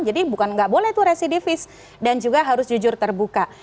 jadi bukan nggak boleh tuh residivis dan juga harus jujur terbuka